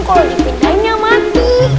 kalau dipindahin yang mati